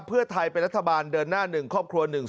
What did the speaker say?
เพื่อไทยเป็นรัฐบาลเดินหน้าหนึ่งครอบครัวหนึ่ง